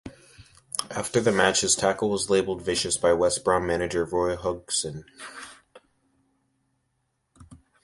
After the match his tackle was labelled 'vicious' by West Brom manager Roy Hodgson.